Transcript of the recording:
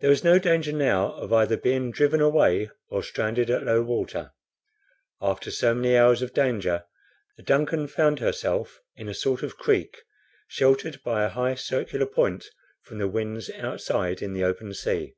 There was no danger now of either being driven away or stranded at low water. After so many hours of danger, the DUNCAN found herself in a sort of creek, sheltered by a high circular point from the winds outside in the open sea.